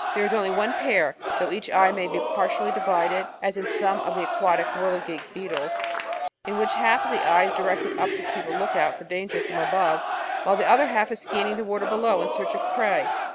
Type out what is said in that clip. There is only one pair, though each eye may be partially divided, as in some of the aquatic Whirligig Beetles in which half of the eye is directed up to keep a look out for danger from above, while the other half is scanning the water below in search of prey.